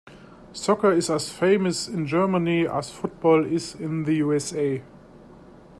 Soccer is as famous in Germany as football is in the USA.